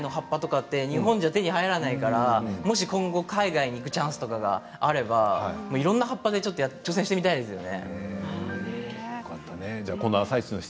海外の葉っぱは日本では手に入らないからもし今後海外に行くチャンスがあればいろんな葉っぱで挑戦してみたいですね。